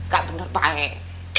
gak bener bener baik